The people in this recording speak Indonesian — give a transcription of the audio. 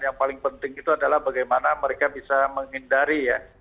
yang paling penting itu adalah bagaimana mereka bisa menghindari ya